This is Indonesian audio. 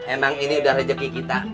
emang ini udah rezeki kita